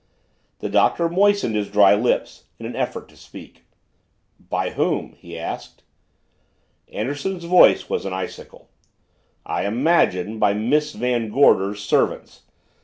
The Doctor moistened his dry lips in an effort to speak. "By whom?" he asked. Anderson's voice was an icicle. "I imagine by Miss Van Gorder's servants.